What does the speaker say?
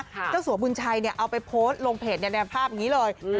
ค่ะเจ้าสัวบุญชัยเนี่ยเอาไปโพสต์ลงเพจแดดแดดภาพอย่างงี้เลยอืม